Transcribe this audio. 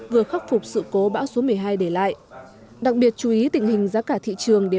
vừa khắc phục sự cố bão số một mươi hai để lại đặc biệt chú ý tình hình giá cả thị trường để